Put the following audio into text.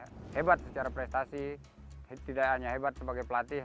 yang tidak hanya hebat secara prestasi tidak hanya hebat sebagai pelatih